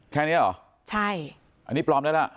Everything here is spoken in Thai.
แค่นี้เหรอใช่อันนี้ปลอมแล้วล่ะ